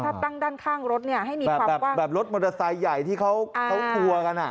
ถ้าตั้งด้านข้างรถเนี่ยให้มีความแบบว่าแบบรถมอเตอร์ไซค์ใหญ่ที่เขาทัวร์กันอ่ะ